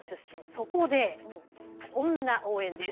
そこでこんな応援です。